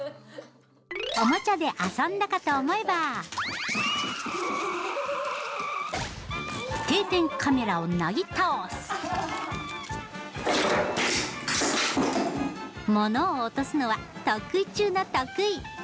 おもちゃで遊んだかと思えば定点カメラをなぎ倒す物を落とすのは得意中の得意！